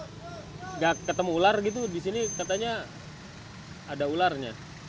tidak ketemu ular gitu di sini katanya ada ularnya